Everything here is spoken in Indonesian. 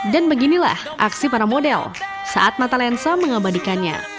dan beginilah aksi para model saat mata lensa mengabadikannya